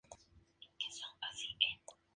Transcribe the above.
Vídeo Inauguración